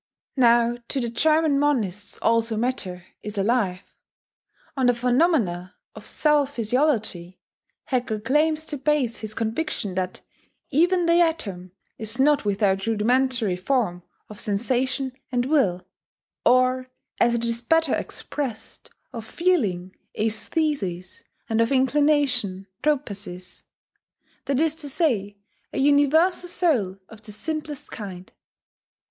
Now to the German monists also matter is alive. On the phenomena of cell physiology, Haeckel claims to base his conviction that "even the atom is not without rudimentary form of sensation and will, or, as it is better expressed, of feeling (aesthesis), and of inclination (tropesis), that is to say, a universal soul of the simplest kind."